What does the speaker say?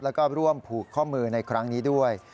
แล้วก็ร่วมผูกข้อมือในครั้งนี้ด้วย